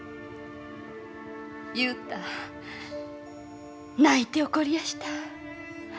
雄太泣いて怒りやした。